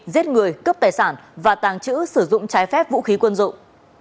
giết người cướp tài sản và tàng trữ sử dụng trái phép vũ khí quân dụng